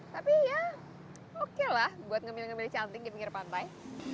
tapi ya oke lah buat ngemil ngemil cantik di pinggir pantai